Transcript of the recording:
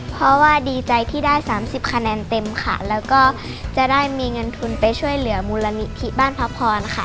เพราะว่าดีใจที่ได้สามสิบคะแนนเต็มค่ะแล้วก็จะได้มีเงินทุนไปช่วยเหลือมูลนิธิบ้านพระพรค่ะ